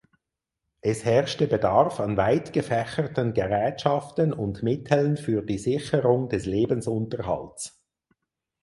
Es herrschte Bedarf an weit gefächerten Gerätschaften und Mitteln für die Sicherung des Lebensunterhalts.